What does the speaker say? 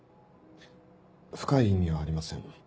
深い意味はありません。